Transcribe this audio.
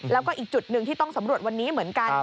แล้วก็อีกจุดหนึ่งที่ต้องสำรวจวันนี้เหมือนกัน